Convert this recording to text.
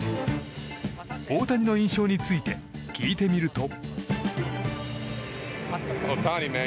大谷の印象について聞いてみると。